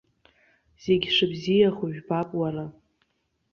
Зегь шыбзиахо жәбап, уара!